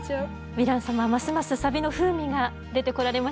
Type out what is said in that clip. ヴィラン様ますますサビの風味が出てこられましたね。